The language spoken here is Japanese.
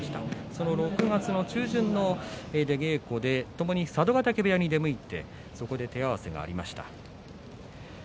その６月中旬の稽古でともに佐渡ヶ嶽部屋に出向いてそこで手合わせがありました。